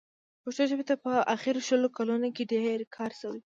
پښتو ژبې ته په اخرو شلو کالونو کې ډېر کار شوی.